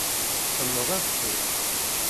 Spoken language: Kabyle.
Tḥemmleḍ adfel?